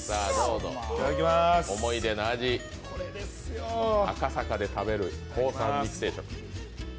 思い出の味、赤坂で食べるコーさんの肉定食。